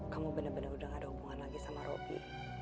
kamu bener bener udah gak ada hubungan lagi sama robby